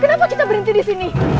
kenapa kita berhenti disini